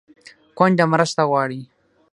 کونډه مرسته غواړي